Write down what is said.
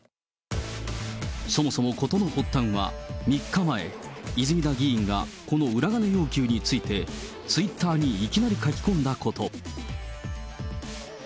そもそも事の発端は３日前、泉田議員がこの裏金要求について、ツイッターにいきなり書き込んだこと。